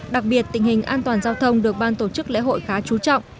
đặc biệt tình hình an toàn giao thông được ban tổ chức lễ hội khá trú trọng